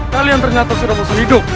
kalian ternyata sudah musuh hidup